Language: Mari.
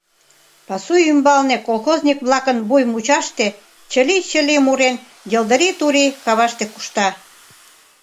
Пасу ӱмбалне, колхозник-влакын вуй мучаште чылий-чылий мурен, йылдырий турий каваште кушта.